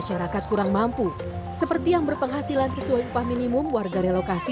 masyarakat kurang mampu seperti yang berpenghasilan sesuai upah minimum warga relokasi